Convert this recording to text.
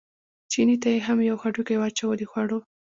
چیني ته یې هم یو هډوکی واچاوه د خوړو.